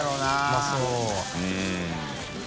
うまそう。